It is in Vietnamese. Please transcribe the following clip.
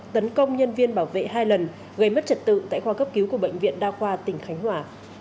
tấn công nhân viên bảo vệ hai lần gây mất trật tự tại khoa cấp cứu của bệnh viện đa khoa tỉnh khánh hòa